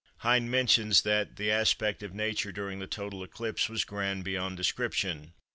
Hind mentions that "the aspect of Nature during the total eclipse was grand beyond description."